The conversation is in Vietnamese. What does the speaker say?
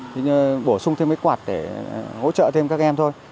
thì bổ sung thêm mấy quạt để hỗ trợ thêm các em thôi